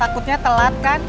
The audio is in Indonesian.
takutnya telat kan